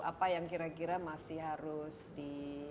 apa yang kira kira masih harus di